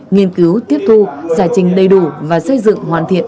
nghiên cứu tiếp thu giải trình đầy đủ và xây dựng hoàn thiện